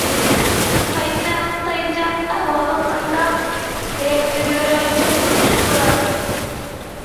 تايچاق. تايچاق. ئەھۋالىڭ قانداق؟ ھايات گۈللىرىڭ، چاچسۇن خۇش پۇراق.